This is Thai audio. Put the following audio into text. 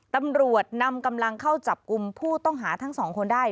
ตำรวจนำกำลังเข้าจับกลุ่มผู้ต้องหาทั้งสองคนได้